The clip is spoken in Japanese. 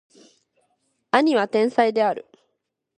兄は天才である